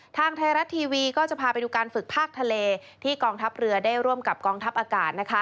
ทางไทยรัฐทีวีก็จะพาไปดูการฝึกภาคทะเลที่กองทัพเรือได้ร่วมกับกองทัพอากาศ